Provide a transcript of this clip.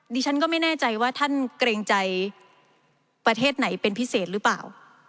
ดิฉันก็ไม่แน่ใจว่าท่านเกรงใจประเทศไหนเป็นพิเศษหรือเปล่า